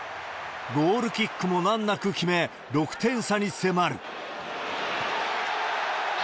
ゴールキックも難なく決め、６点差に迫る。